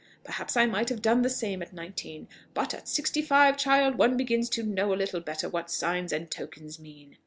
Perhaps I might have done the same at nineteen; but at sixty five, child, one begins to know a little better what signs and tokens mean.